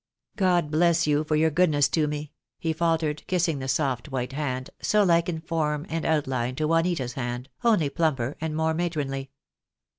" God bless you for your goodness to me," he faltered, kissing the soft white hand, so like in form and outline to Juanita's hand, only plumper and more matronly.